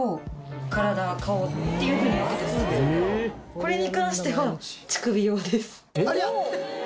これに関しては乳首用です。